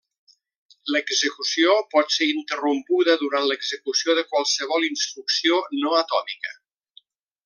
L'execució pot ser interrompuda durant l'execució de qualsevol instrucció no atòmica.